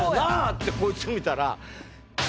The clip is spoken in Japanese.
ってこいつ見たら。